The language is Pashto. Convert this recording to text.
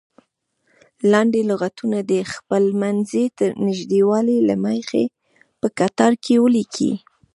لاندې لغتونه دې د خپلمنځي نږدېوالي له مخې په کتار کې ولیکئ.